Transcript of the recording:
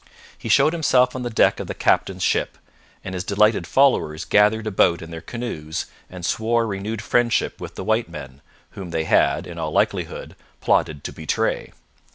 He showed himself on the deck of the captain's ship, and his delighted followers gathered about in their canoes and swore renewed friendship with the white men, whom they had, in all likelihood, plotted to betray.